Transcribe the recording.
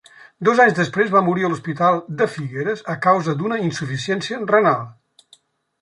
Dos anys després va morir a l'Hospital de Figueres a causa d'una insuficiència renal.